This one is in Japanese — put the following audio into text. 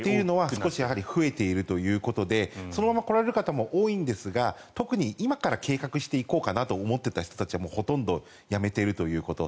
少し増えているということでそのまま来られる方も多いですが今から計画して行こうと思っていた人たちはほとんどやめているということ。